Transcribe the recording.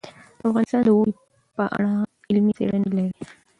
افغانستان د اوړي په اړه علمي څېړنې لري.